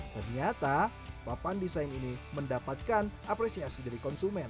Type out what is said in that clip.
ternyata papan desain ini mendapatkan apresiasi dari konsumen